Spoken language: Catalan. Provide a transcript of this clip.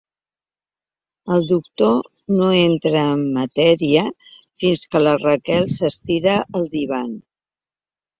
El doctor no entra en matèria fins que la Raquel s'estira al divan.